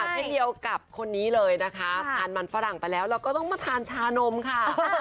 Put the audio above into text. เช่นเดียวกับคนนี้เลยนะคะทานมันฝรั่งไปแล้วเราก็ต้องมาทานชานมค่ะ